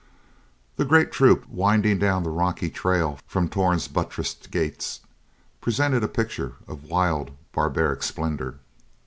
The great troop, winding down the rocky trail from Torn's buttressed gates, presented a picture of wild barbaric splendor.